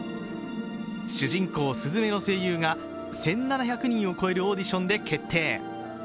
主人公・すずめの声優が１７００人を超えるオーディションで決定。